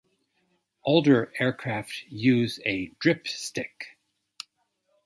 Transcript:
Older aircraft use a dripstick.